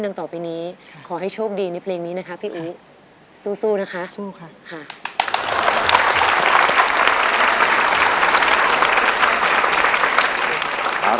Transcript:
ต่อไปนี้ขอให้โชคดีในเพลงนี้นะคะพี่อุ๋สู้นะคะสู้ค่ะค่ะ